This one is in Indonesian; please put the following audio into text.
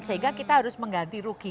sehingga kita harus mengganti rugi